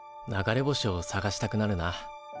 流れ星を探したくなるな。